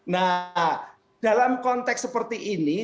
nah dalam konteks seperti ini